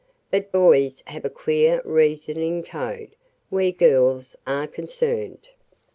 But boys have a queer reasoning code where girls are concerned.